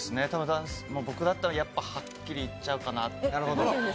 僕だったら、はっきり言っちゃうかなって。